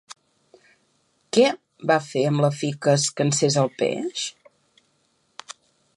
Què va fer amb la fi que es cansés el peix?